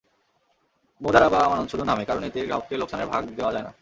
মুদারাবা আমানত শুধু নামে, কারণ এতে গ্রাহককে লোকসানের ভাগ দেওয়া যায় না।